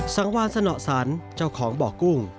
สังวานสนสันเจ้าของบ่อกุ้ง